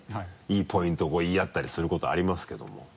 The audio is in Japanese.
いいポイントを言い合ったりすることありますけども。